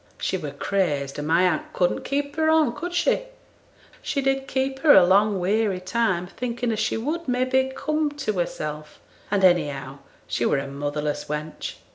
'She were crazed, and my aunt couldn't keep her on, could she? She did keep her a long weary time, thinking as she would, may be, come to hersel', and, anyhow, she were a motherless wench.